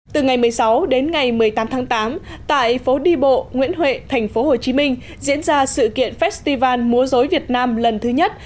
từ ngày một mươi sáu đến ngày một mươi tám tháng tám tại phố đi bộ nguyễn huệ tp hcm diễn ra sự kiện festival múa dối việt nam lần thứ nhất